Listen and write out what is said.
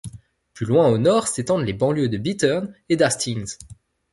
Plus loin au nord s'étendent les banlieues de Bittern et d'Hastings.